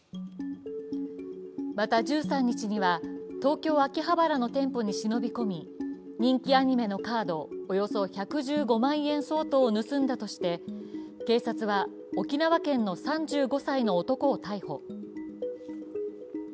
また１３日には東京・秋葉原の店舗に忍び込み人気アニメのカードおよそ１１５万円相当を盗んだとして警察は沖縄県の３５歳の男を逮捕。